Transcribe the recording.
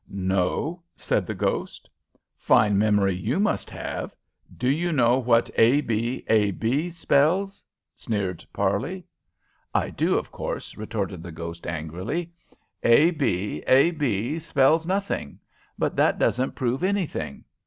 "No," said the ghost. "Fine memory you must have! Do you know what a b, ab, spells?" sneered Parley. "I do, of course," retorted the ghost, angrily. "A b, ab, spells nothing. But that doesn't prove anything.